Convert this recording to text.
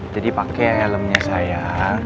jadi pake helmnya saya